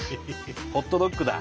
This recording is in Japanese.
ホットドッグだ。